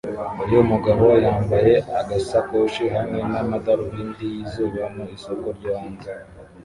uyu mugabo yambaye agasakoshi hamwe n’amadarubindi yizuba mu isoko ryo hanze